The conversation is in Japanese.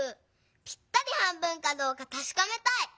ぴったり半分かどうかたしかめたい！